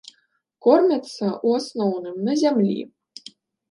Кормяцца, у асноўным, на зямлі.